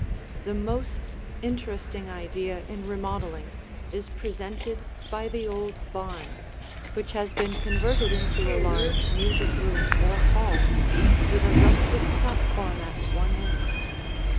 The most interesting idea in remodeling is presented by the old barn, which has been converted into a large music room or hall, with a rustic platform at one end.